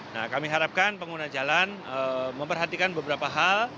nah kami harapkan pengguna jalan memperhatikan beberapa hal